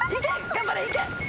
頑張れいけ！